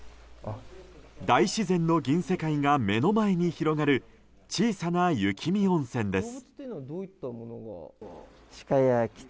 大自然の銀世界が目の前に広がる小さな雪見温泉です。